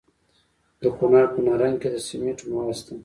د کونړ په نرنګ کې د سمنټو مواد شته.